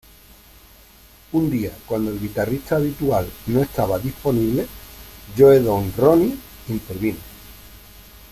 Un día, cuando el guitarrista habitual no estaba disponible, Joe Don Rooney intervino.